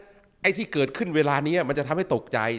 เอาอย่างนี้นะไอ้ที่เกิดขึ้นเวลานี้มันจะทำให้ตกใจ